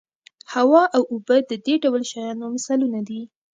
هوا او اوبه د دې ډول شیانو مثالونه دي.